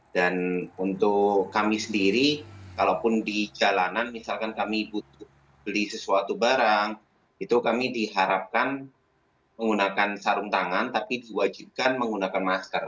dan untuk kami sendiri kalaupun di jalanan misalkan kami butuh beli sesuatu barang itu kami diharapkan menggunakan sarung tangan tapi diwajibkan menggunakan masker